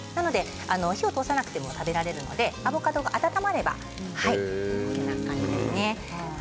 火を通さなくても食べられるのでアボカドが温まればＯＫな感じですね。